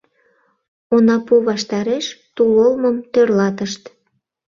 Онапу ваштареш тул олмым тӧрлатышт.